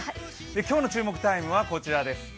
今日の注目タイムはこちらです。